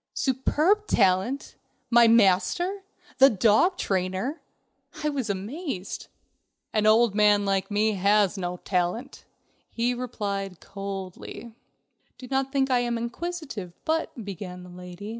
Superb talent! My master! The dog trainer! I was amazed. "An old man like me has no talent," he replied coldly. "Do not think that I am inquisitive, but...." began the lady.